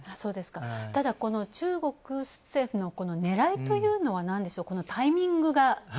ただ、この中国政府のねらいというのはなんでしょう。タイミングが。